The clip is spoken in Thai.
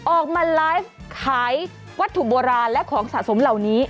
ออกมาไลฟ์ขายวัตถุโบราณและของสะสมเหล่านี้